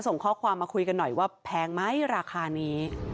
ส่งข้อความมาคุยกันหน่อยว่าแพงไหมราคานี้